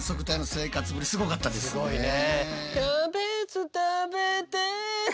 すごいね。